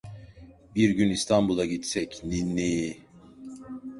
Bir gün İstanbul'a gitsek, niiiinni…